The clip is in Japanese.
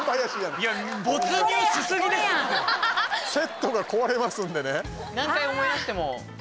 セットが壊れますのでね。